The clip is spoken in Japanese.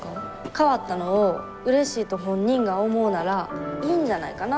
変わったのをうれしいと本人が思うならいいんじゃないかな。